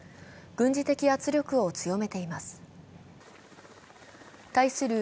軍事的圧力を強めています。